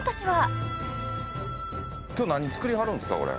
今日何作りはるんですか？